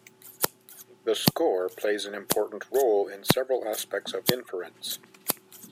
The score plays an important role in several aspects of inference.